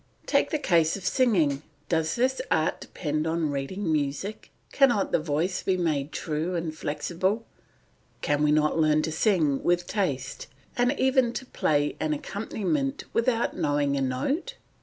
Take the case of singing; does this art depend on reading music; cannot the voice be made true and flexible, can we not learn to sing with taste and even to play an accompaniment without knowing a note?